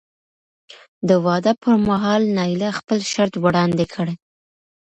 د واده پر مهال نایله خپل شرط وړاندې کړ.